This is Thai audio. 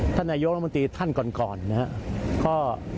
ท่านนายกรมตรีท่านก่อนก่อนนะฮะก็